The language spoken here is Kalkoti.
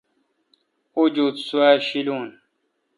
اوجوت سوا شی لو۔